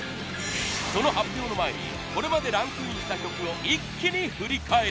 その発表の前にこれまでランクインした曲を一気に振り返ります。